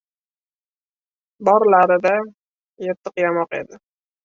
Borlari-da yirtiq- yamoq edi.